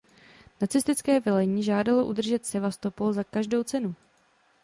Nacistické velení žádalo udržet Sevastopol za každou cenu.